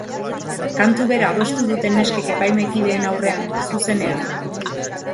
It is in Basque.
Kantu bera abestu dute neskek epaimahaikideen aurrean, zuzenean.